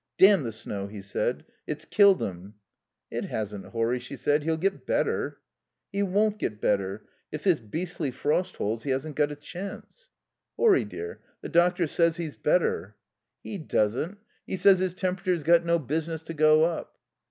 "Damn the snow!" he said. "It's killed him." "It hasn't, Horry," she said; "he'll get better." "He won't get better. If this beastly frost holds he hasn't got a chance." "Horry dear, the doctor says he's better." "He doesn't. He says his temperature's got no business to go up."